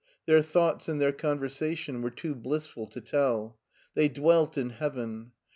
Their thoughts and their conversation were too blissful to tell. They dwelt in heaven.